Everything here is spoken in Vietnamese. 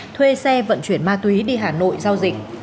thuê xe vận chuyển ma túy đi hà nội giao dịch